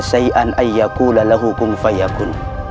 syai'an ayyaku lalahu kumfayyakun